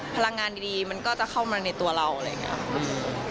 พลังงานดีมันก็จะเข้ามาในตัวเราอะไรอย่างนี้